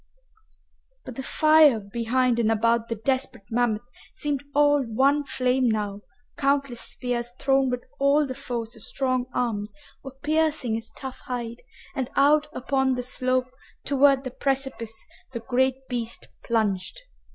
But the fire behind and about the desperate mammoth seemed all one flame now, countless spears thrown with all the force of strong arms were piercing his tough hide, and out upon the slope toward the precipice the great beast plunged.